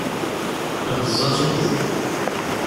Iɣeẓẓa-tt uqjun.